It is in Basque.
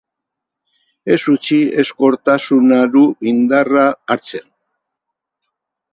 Ez utzi ezkortasunaru indarra hartzen.